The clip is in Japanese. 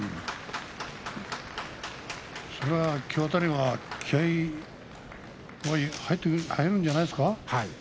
そりゃ、きょう辺りは気合い入るんじゃないですか？